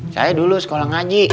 saya dulu sekolah ngaji